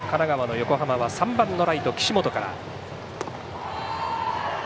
６回の表の神奈川の横浜は３番ライト岸本から。